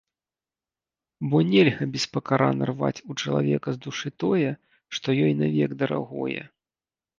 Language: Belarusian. Бо нельга беспакарана рваць у чалавека з душы тое, што ёй навек дарагое.